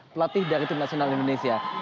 pelatih dari tim nasional indonesia